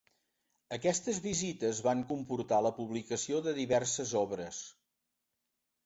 Aquestes visites van comportar la publicació de diverses obres.